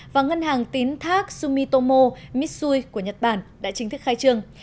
và ngân hàng tín thác sumitomo mitsui của nhật bản đã chính thức khai trương